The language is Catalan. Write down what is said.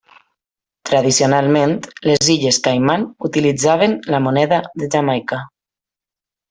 Tradicionalment, les illes Caiman utilitzaven la moneda de Jamaica.